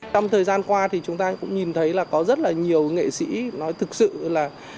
trong thời gian qua thì chúng ta cũng nhìn thấy là có rất là nhiều nghệ sĩ nói thực sự là